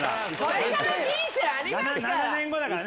これから人生ありますから！